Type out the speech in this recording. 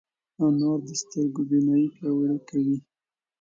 انار د سترګو بینايي پیاوړې کوي.